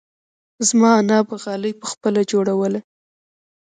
زما انا به غالۍ پخپله جوړوله.